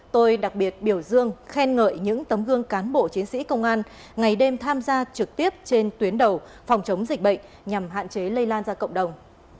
tôi đặc biệt biểu dương khen ngợi những tấm gương cán bộ chiến sĩ công an ngày đêm tham gia trực tiếp trên tuyến đầu phòng chống dịch bệnh nhằm hạn chế lây lan ra cộng đồng